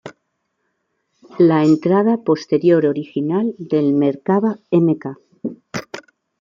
La entrada posterior original del Merkava Mk.